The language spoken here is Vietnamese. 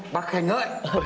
bác khánh ơi